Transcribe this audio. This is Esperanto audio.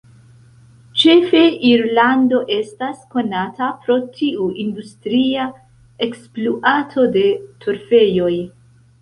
Ĉefe Irlando estas konata pro tiu industria ekspluato de torfejoj.